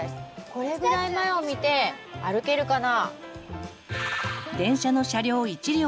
これぐらい前を見て歩けるかな？